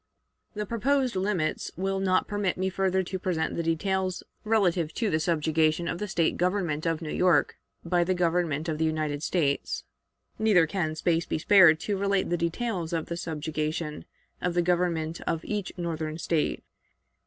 The proposed limits will not permit me further to present the details relative to the subjugation of the State government of New York by the Government of the United States. Neither can space be spared to relate the details of the subjugation of the government of each Northern State.